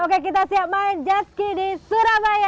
okay kita siap main jet ski di surabaya